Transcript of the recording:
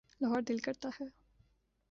لاہور دل کرتا ہے۔